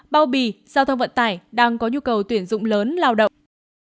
bao bì giao thông vận tải đang có nhu cầu tuyển dụng lớn lao động